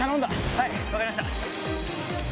はい分かりました。